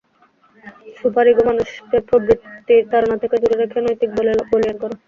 Super ego মানুষকে প্রবৃত্তির তাড়না থেকে দূরে রেখে নৈতিক বলে বলীয়ান করে।